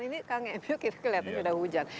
ini kangen kita lihat ini sudah hujan